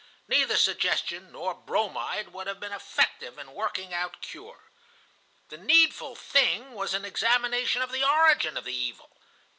Neither suggestion nor bromide would have been effective in working our cure. The needful thing was an examination of the origin of the evil.